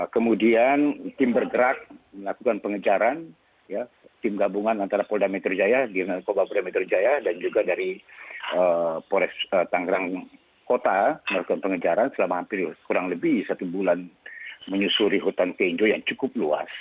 kemudian tim bergerak melakukan pengejaran tim gabungan antara polda metro jaya dirna narkoba polda metro jaya dan juga dari polres tanggerang kota melakukan pengejaran selama hampir kurang lebih satu bulan menyusuri hutan kenjo yang cukup luas